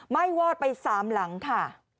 ้วอดไป๓หลังค่ะ